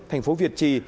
thành phố việt trì